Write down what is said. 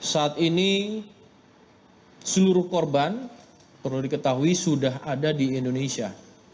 saat ini seluruh korban perlu diketahui sudah ada di indonesia